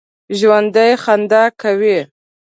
ژوندي خندا کوي